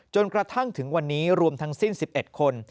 จนกระทั่งถึงวันนี้รวมทั้งสิ้น๑๑คน